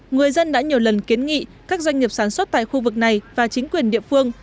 người dân đã nhiều lần kiến nghị các doanh nghiệp sản xuất tại khu vực này và chính quyền địa phương